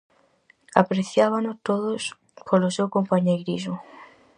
Apreciábano todos polo seu compañeirismo.